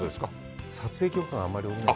撮影許可があんまり下りないの。